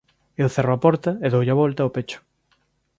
Eu cerro a porta e doulle a volta ao pecho.